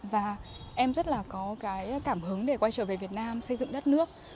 và em rất là có cái cảm hứng để quay trở về việt nam xây dựng đất nước